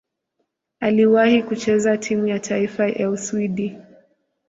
Aliwahi kucheza timu ya taifa ya Uswidi.